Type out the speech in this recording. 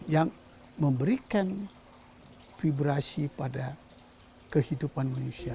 yang memberikan vibrasi pada kehidupan manusia